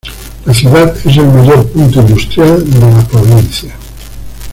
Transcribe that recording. La ciudad es el mayor punto industrial de la provincia.